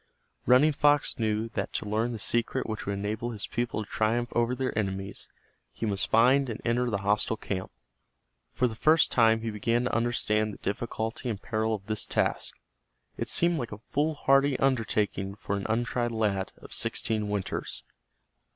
Running Fox knew that to learn the secret which would enable his people to triumph over their enemies he must find and enter the hostile camp. For the first time he began to understand the difficulty and peril of his task. It seemed like a foolhardy undertaking for an untried lad of sixteen winters.